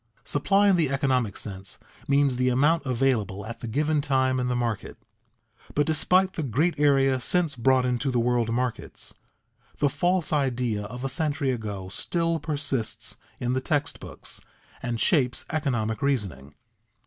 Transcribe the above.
Supply in the economic sense means the amount available at the given time in the market; but despite the great areas since brought into the world markets, the false idea of a century ago still persists in the text books, and shapes economic reasoning.